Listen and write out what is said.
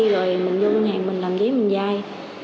rồi mình vô ngân hàng mình làm giấy mình dai